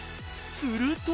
すると］